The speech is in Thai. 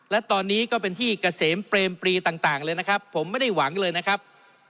และตอนนี้ก็เป็นที่เกษมเปรมปรีต่างเลยนะครับผมไม่ได้หวังเลยนะครับ